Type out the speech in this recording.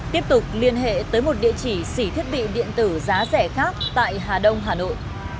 tiếp tục liên hệ tới một địa chỉ xỉ thiết bị điện tử giá rẻ khác tại hà đông hà nội